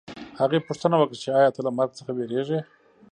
هغې پوښتنه وکړه چې ایا ته له مرګ څخه وېرېږې